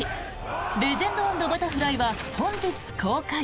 「レジェンド＆バタフライ」は本日公開！